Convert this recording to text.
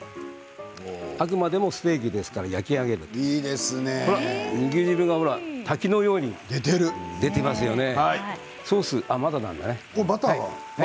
あくまでもステーキですから焼き上げる肉汁がほら、滝のように出ていますよね。